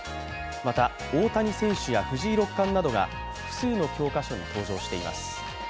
また大谷選手や藤井六冠などが複数の教科書に登場しています。